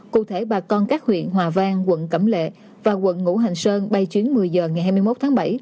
cụ thể bà con các huyện hòa vang quận cẩm lệ và quận ngũ hành sơn bay chuyến một mươi h ngày hai mươi một tháng bảy